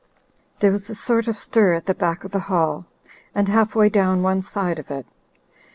There was a sort of stir at the back of the hall and half way down one side of it.